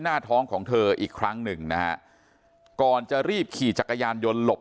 หน้าท้องของเธออีกครั้งหนึ่งนะฮะก่อนจะรีบขี่จักรยานยนต์หลบ